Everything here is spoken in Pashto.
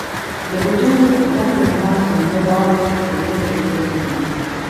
له کوټې ووت، د تګ پر مهال یې پینځه واړه سکوې پر میز کښېښودې.